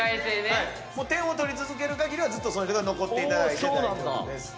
点を取り続けるかぎりはずっとその人が残って大丈夫です。